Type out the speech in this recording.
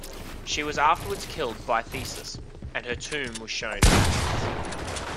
She was afterwards killed by Theseus, and her tomb was shown at Athens.